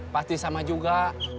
pasti sama juga